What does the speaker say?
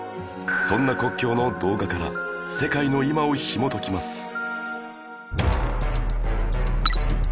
そんな国境の動画から世界の今をひも解きます